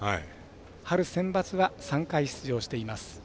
春センバツは３回出場しています。